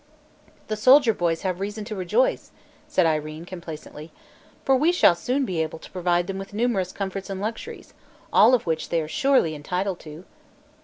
"The soldier boys have reason to rejoice," said Irene complacently, "for we shall soon be able to provide them with numerous comforts and luxuries all of which they are surely entitled to."